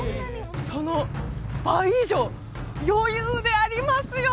その倍以上余裕でありますよ